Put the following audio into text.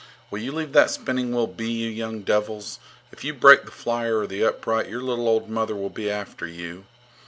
Will you leave that spinning wheel be, you young devils? If you break the flier or the upright, your little old mother will be after you.